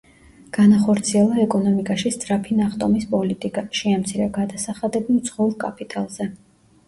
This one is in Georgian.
განახორციელა ეკონომიკაში სწრაფი ნახტომის პოლიტიკა, შეამცირა გადასახადები უცხოურ კაპიტალზე.